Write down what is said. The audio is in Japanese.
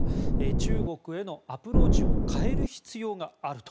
中国へのアプローチを変える必要があると。